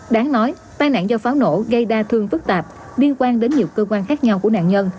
đáng nói tai nạn do pháo nổ gây đa thương phức tạp liên quan đến nhiều cơ quan khác nhau của nạn nhân